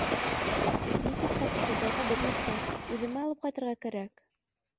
Нисек тә Ҡотлобайға бирмәҫкә, үҙемә алып ҡайтырға кәрәк!